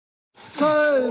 せの！